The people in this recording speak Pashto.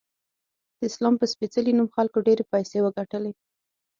د اسلام په سپیڅلې نوم خلکو ډیرې پیسې وګټلی